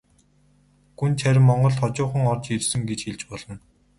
Гүнж харин монголд хожуухан орж ирсэн гэж хэлж болно.